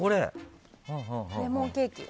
レモンケーキ。